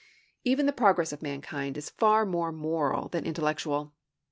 Even the progress of mankind is far more moral than intellectual.